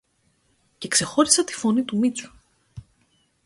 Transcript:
Και ξεχώρισα τη φωνή του Μήτσου.